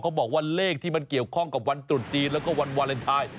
บอกว่าเลขที่มันเกี่ยวข้องกับวันตรุษจีนแล้วก็วันวาเลนไทย